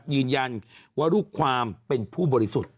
ยืนยันว่าลูกความเป็นผู้บริสุทธิ์